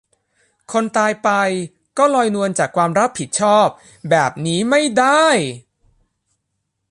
คนตายไป ก็ลอยนวลจากความรับผิดชอบ แบบนี้ไม่ได้